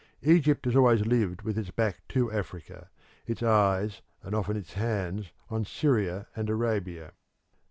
Egypt has always lived with its back to Africa, its eyes and often its hands on Syria and Arabia.